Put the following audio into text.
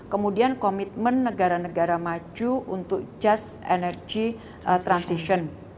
kemudian komitmen negara negara maju untuk just energy transition